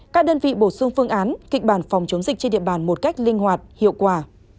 các đơn vị bổ sung phương án kịch bản phòng chống dịch trên địa bàn một cách linh hoạt hiệu quả